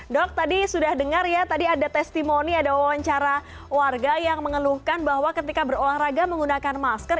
dok tadi sudah dengar ya tadi ada testimoni ada wawancara warga yang mengeluhkan bahwa ketika berolahraga menggunakan masker